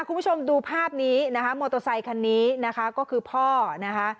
คุณผู้ชมดูภาพนี้นะคะมอเตอร์ไซคันนี้นะคะก็คือพ่อนะคะ